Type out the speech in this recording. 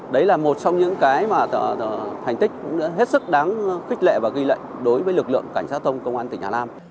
đấy là một trong những cái mà thành tích hết sức đáng khích lệ và ghi lệnh đối với lực lượng cảnh sát thông công an tỉnh hà nam